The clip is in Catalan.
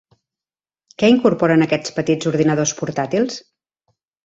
Què incorporen aquests petits ordinadors portàtils?